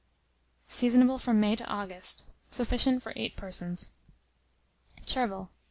Seasonable from May to August. Sufficient for 8 persons. CHERVIL.